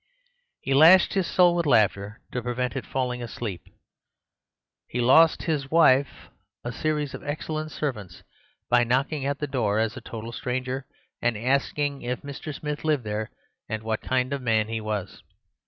"He lashed his soul with laughter to prevent it falling asleep. He lost his wife a series of excellent servants by knocking at the door as a total stranger, and asking if Mr. Smith lived there and what kind of a man he was.